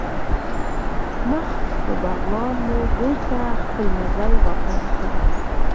مخ په بغلان مو بېرته خپل مزل را پیل کړ.